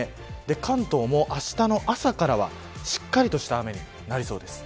関東もあしたの朝からはしっかりとした雨になりそうです。